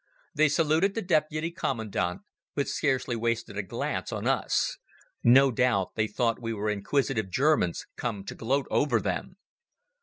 They saluted the deputy commandant, but scarcely wasted a glance on us. No doubt they thought we were inquisitive Germans come to gloat over them.